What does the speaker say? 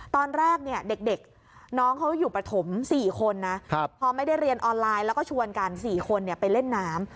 ตอนแรกเนี่ยเด็กน้องเขาอยู่ปฐม๔คนนะพอไม่ได้เรียนออนไลน์แล้วก็ชวนกัน๔คนไปเล่นน้ำ